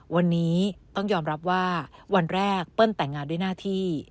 วันนี้ต้องยอมรับว่าวันแรกเปิ้ลแต่งงานด้วยหน้าที่